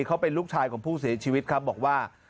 เขาเป็นลูกชายของผู้เสียชีวิตครับบอกว่า